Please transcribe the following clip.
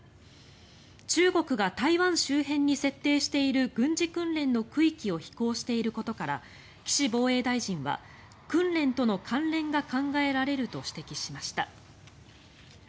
中国が台湾周辺に設定している軍事訓練の区域を飛行していることから岸防衛大臣は訓練との関連が考えられると指摘しました。